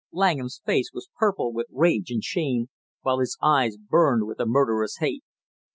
Langham's face was purple with rage and shame, while his eyes burned with a murderous hate.